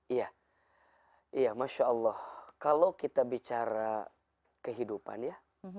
iya masya allah kalau kita bicara kehidupan ya